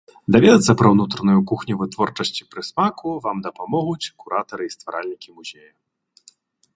Даведацца пра ўнутраную кухню вытворчасці прысмаку вам дапамогуць куратары і стваральнікі музея.